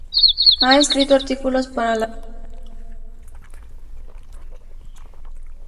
Ha escrito artículos para la revista inglesa "Astronomy Now".